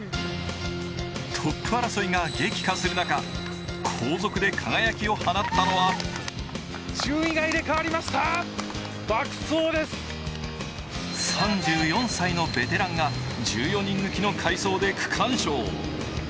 トップ争いが激化する中、後続で輝きを放ったのが３４歳のベテランが１４人抜きの快走で区間賞。